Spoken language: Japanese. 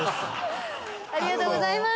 ありがとうございます。